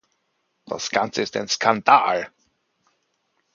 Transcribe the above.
Das Ganze ist ein Skandal!